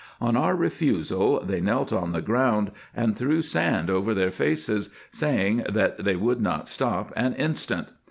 On our refusal they knelt on the ground, and threw sand over their faces, saying, that they would not stop an instant.